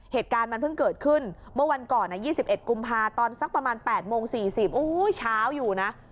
เหตุการณ์มันเพิ่งเกิดขึ้นเมื่อวันก่อน๒๑กุมภาตอนสักประมาณ๘โมง๔๐โอ้โหเช้าอยู่นะ